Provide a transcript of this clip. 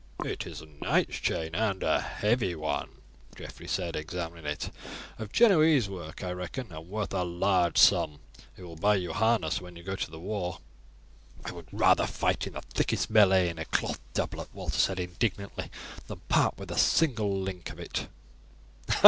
"It is a knight's chain and a heavy one," Geoffrey said, examining it, "of Genoese work, I reckon, and worth a large sum. It will buy you harness when you go to the wars." "I would rather fight in the thickest melee in a cloth doublet," Walter said indignantly, "than part with a single link of it."